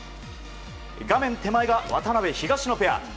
画面手前が渡辺、東野ペア。